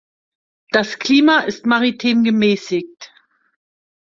Das Klima ist maritim gemäßigt.